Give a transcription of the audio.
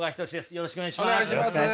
よろしくお願いします。